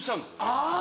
あぁ！